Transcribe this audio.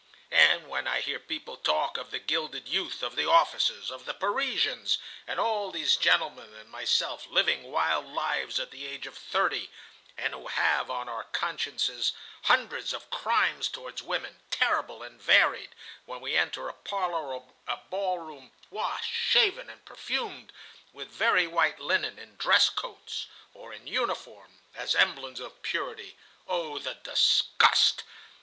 "And when I hear people talk of the gilded youth, of the officers, of the Parisians, and all these gentlemen, and myself, living wild lives at the age of thirty, and who have on our consciences hundreds of crimes toward women, terrible and varied, when we enter a parlor or a ball room, washed, shaven, and perfumed, with very white linen, in dress coats or in uniform, as emblems of purity, oh, the disgust!